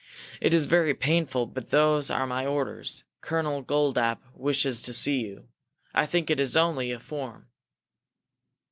It is very painful but those are my orders. Colonel Goldapp wishes to see you. I think it is only a form."